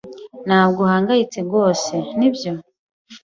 Ntabwo uhangayitse rwose, nibyo?